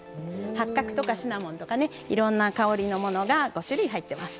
八角とかシナモンとかねいろんな香りのものが５種類入ってます。